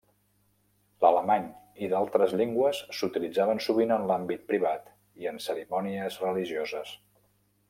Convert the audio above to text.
L'alemany i d'altres llengües s'utilitzaven sovint en l'àmbit privat i en cerimònies religioses.